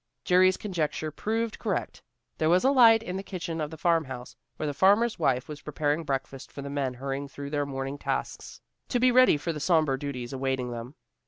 Jerry's conjecture proved correct. There was a light in the kitchen of the farmhouse, where the farmer's wife was preparing breakfast for the men hurrying through their morning tasks to be ready for the sombre duties awaiting them.